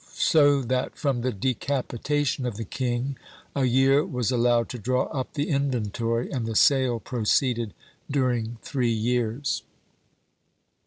So that from the decapitation of the king, a year was allowed to draw up the inventory; and the sale proceeded during three years.